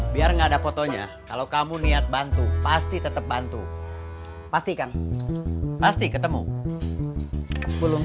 biar nggak ada fotonya kalau kamu niat bantu pasti tetep bantu pasti kan pasti ketemu belum